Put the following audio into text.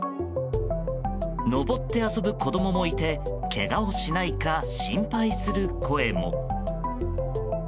登って遊ぶ子供もいてけがをしないか心配する声も。